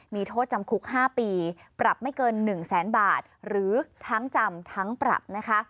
มีโทษจำคุก๕ปีปรับไม่เกิน๑แสนบาทหรือทั้งจำทั้งปรับนะคะ